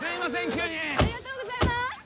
急にありがとうございます